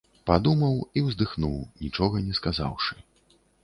Падумаў і ўздыхнуў, нічога не сказаўшы.